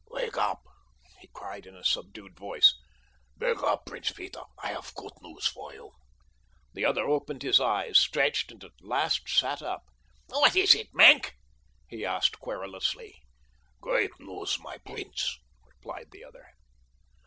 "Wake up!" he cried in a subdued voice. "Wake up, Prince Peter; I have good news for you." The other opened his eyes, stretched, and at last sat up. "What is it, Maenck?" he asked querulously. "Great news, my prince," replied the other.